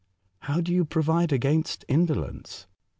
'' How do you provide against indolence